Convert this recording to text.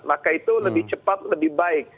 maka itu lebih cepat lebih baik